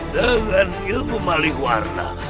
dengan ilmu malih warna